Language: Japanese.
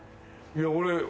いや俺。